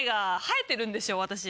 私！